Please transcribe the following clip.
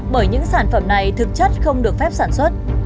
bởi những sản phẩm này thực chất không được phép sản xuất